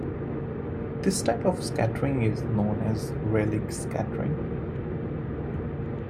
This type of scattering is known as Rayleigh scattering.